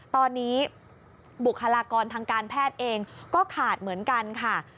ตอนนี้บุคลากรทางการแพทย์เองก็ขาดเหมือนกันค่ะ